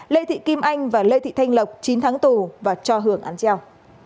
lê thị kim anh và lê thị thanh lộc chín tháng tù và cho hưởng án treo